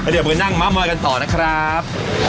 เดี๋ยวเมื่อนั่งมามัดกันต่อนะครับ